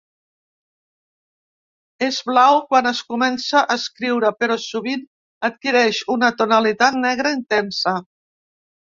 És blau quan es comença a escriure però sovint adquireix una tonalitat negra intensa.